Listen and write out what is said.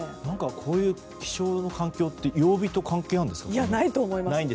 こういう気象の環境って曜日と関係があるんですか？